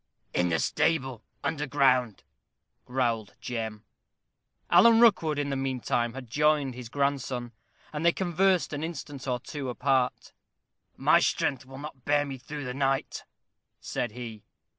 "In the stable, under ground," growled Jem. Alan Rookwood, in the mean time, had joined his grandson, and they conversed an instant or two apart. "My strength will not bear me through the night," said he.